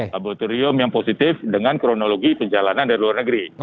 laboratorium yang positif dengan kronologi perjalanan dari luar negeri